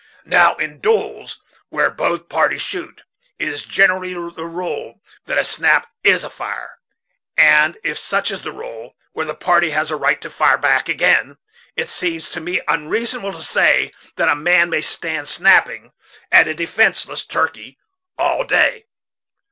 Now, in duels, where both parties shoot, it is generally the rule that a snap is a fire; and if such is the rule where the party has a right to fire back again, it seems to me unreasonable to say that a man may stand snapping at a defenceless turkey all day.